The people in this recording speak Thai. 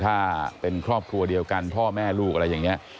ถ้าเป็นครอบครัวเดียวกันพ่อแม่ลูกอะไรอย่างนี้